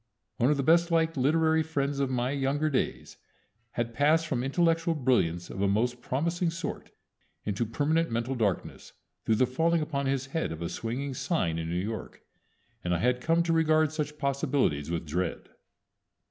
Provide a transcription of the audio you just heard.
One of the best liked literary friends of my younger days had passed from intellectual brilliance of a most promising sort into permanent mental darkness through the falling upon his head of a swinging sign in New York, and I had come to regard such possibilities with dread.